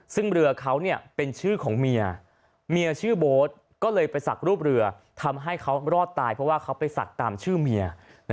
ซึ่งเรือเขาเป็นชื่อของเมียเมียชื่อโบ๊ทก็เลยไปสักรูปเรือทำให้เขารอดตายเพราะว่าเขาไปศักดิ์ตามชื่อเมีย